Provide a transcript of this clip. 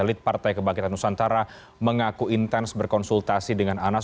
elit partai kebangkitan nusantara mengaku intens berkonsultasi dengan anas